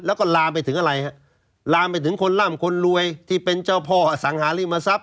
แล้วก็ลามไปถึงอะไรฮะลามไปถึงคนร่ำคนรวยที่เป็นเจ้าพ่ออสังหาริมทรัพย